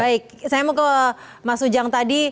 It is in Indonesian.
baik saya mau ke mas ujang tadi